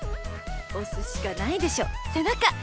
押すしかないでしょ背中！